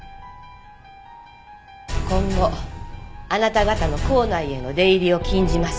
今後あなた方の校内への出入りを禁じます。